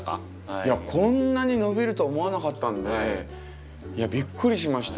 いやこんなに伸びるとは思わなかったんでびっくりしました。